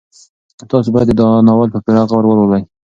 تاسو باید دا ناول په پوره غور سره ولولئ.